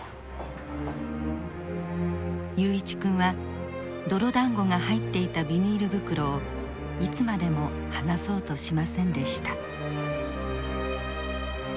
雄一君は泥だんごが入っていたビニール袋をいつまでも離そうとしませんでした。